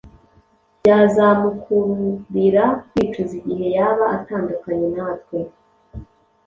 byazamukururira kwicuza igihe yaba atandukanye nawe